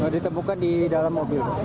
ditemukan di dalam mobil